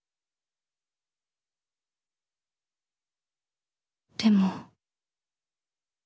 心の声でも。